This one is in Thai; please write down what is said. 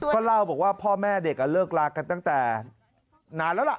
ก็เล่าบอกว่าพ่อแม่เด็กเลิกลากันตั้งแต่นานแล้วล่ะ